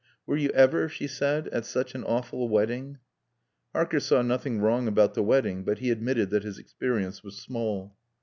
"Were you ever," she said, "at such an awful wedding?" Harker saw nothing wrong about the wedding but he admitted that his experience was small.